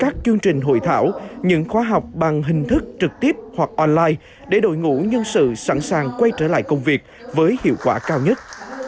các chương trình hội thảo những khóa học bằng hình thức trực tiếp hoặc online để đội ngũ nhân sự sẵn sàng quay trở lại công việc với hiệu quả cao nhất